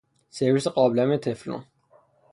سرویس قابلمه تفلون